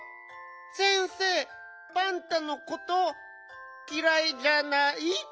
先生パンタのこときらいじゃない？